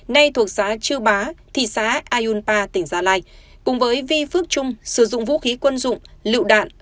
nay thuộc xã chư bá thị xã ayunpa tỉnh gia lai cùng với vi phước trung sử dụng vũ khí quân dụng lựu đạn